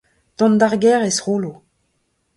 Dont d'ar gêr ez c'houllo